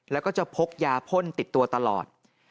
แล้วก็จะพกยาพ่นติดตัวตลอด